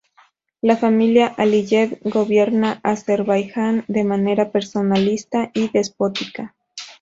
La familia Aliyev gobierna Azerbaijan de manera personalista y despótica.